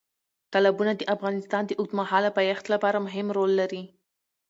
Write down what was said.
تالابونه د افغانستان د اوږدمهاله پایښت لپاره مهم رول لري.